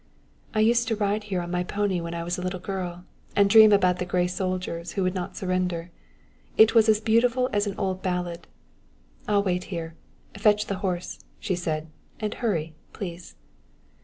"I used to ride here on my pony when I was a little girl, and dream about the gray soldiers who would not surrender. It was as beautiful as an old ballad. I'll wait here. Fetch the horse," she said, "and hurry, please."